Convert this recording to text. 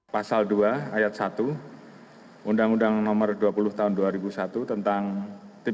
pasal dua ayat satu undang undang nomor dua puluh tahun dua ribu satu tentang